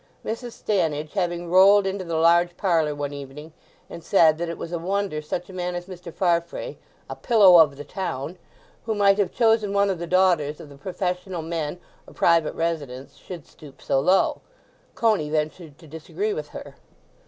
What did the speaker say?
Mrs. Stannidge, having rolled into the large parlour one evening and said that it was a wonder such a man as Mr. Farfrae, "a pillow of the town," who might have chosen one of the daughters of the professional men or private residents, should stoop so low, Coney ventured to disagree with her.